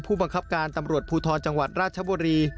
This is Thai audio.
ผู้บังคับการตำรวจภูทรจังหวัดราชบุรี